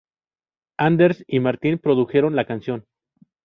Anders y Martin produjeron la canción.